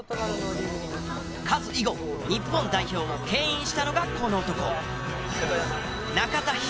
カズ以後日本代表を牽引したのがこの男。